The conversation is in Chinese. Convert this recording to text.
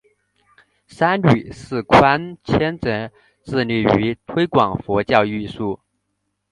三女释宽谦则致力于推广佛教艺术。